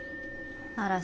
嵐。